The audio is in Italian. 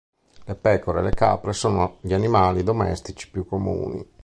Le pecore e le capre sono gli animali domestici più comuni.